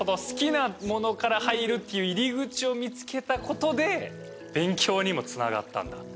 好きなものから入るっていう入り口を見つけたことで勉強にもつながったんだ？